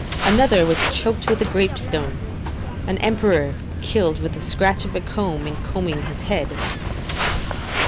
Another was choked with a grape stone; [Val. Max., ix. 12, ext. 2.] an emperor killed with the scratch of a comb in combing his head.